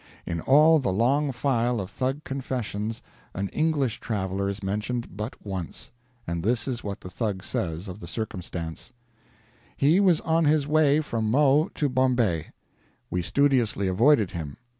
In all the long file of Thug confessions an English traveler is mentioned but once and this is what the Thug says of the circumstance: "He was on his way from Mhow to Bombay. We studiously avoided him.